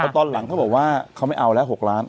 แล้วตอนหลังเขาบอกว่าเขาไม่เอา๖ล้านเงิน